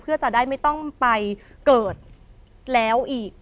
เพื่อจะได้ไม่ต้องไปเกิดแล้วอีก